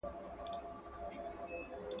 انارګل په خپل اوږد لرګي سره د مار مخه ونیوله.